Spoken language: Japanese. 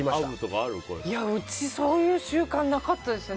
うちそういう習慣なかったですね。